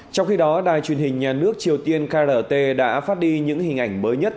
trong khi đó đài truyền hình nhà nước triều tiên krt đã phát đi những hình ảnh mới nhất